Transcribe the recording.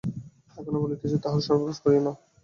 এখনো বলিতেছি, তাহার সর্বনাশ করিয়ো না।